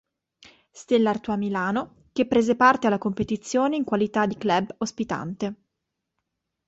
Stella Artois Milano, che prese parte alla competizione in qualità di club ospitante.